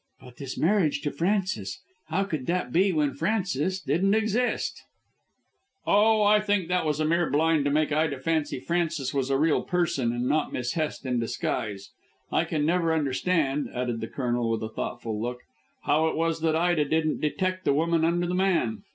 "But this marriage to Francis. How could that be when Francis didn't exist?" "Oh, I think that was a mere blind to make Ida fancy Francis was a real person and not Miss Hest in disguise. I can never understand," added the Colonel with a thoughtful look, "how it was that Ida didn't detect the woman under the man.